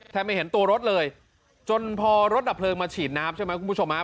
ไม่เห็นตัวรถเลยจนพอรถดับเพลิงมาฉีดน้ำใช่ไหมคุณผู้ชมฮะ